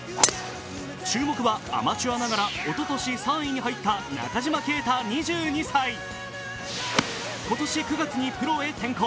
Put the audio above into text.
注目はアマチュアながらおととし３位に入った中島啓太２２歳今年９月にプロへ転向。